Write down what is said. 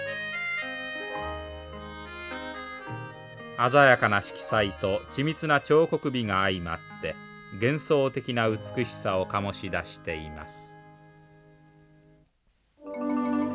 鮮やかな色彩と緻密な彫刻美が相まって幻想的な美しさを醸し出しています。